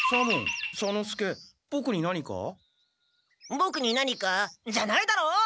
「ボクに何か？」じゃないだろう？